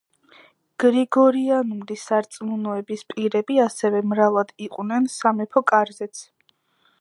გრიგორიანული სარწმუნოების პირები ასევე მრავლად იყვნენ სამეფო კარზეც.